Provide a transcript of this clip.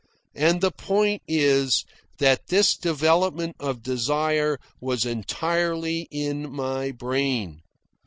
And the point is that this development of desire was entirely in my brain.